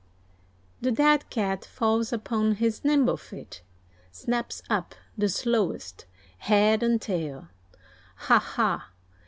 ] The dead Cat falls upon his nimble feet, Snaps up the slowest, head and tail. "Ha! ha!"